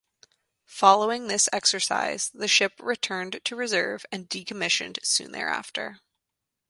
Following this exercise, the ship returned to reserve and decommissioned soon thereafter.